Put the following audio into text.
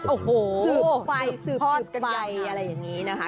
โอ้โหพอดกันอย่างงานสืบไปสืบไปอะไรอย่างนี้นะคะ